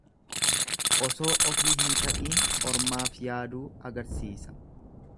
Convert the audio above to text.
Osoo ofii hin ta'iin ormaaf yaaduu agarsiisa.